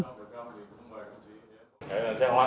cây cầu sẽ hoàn thiện với công nghệ